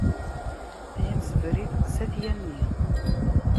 Ay amsebrid s at Yanni.